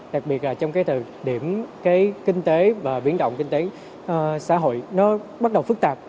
những cái kinh tế và biến động kinh tế xã hội nó bắt đầu phức tạp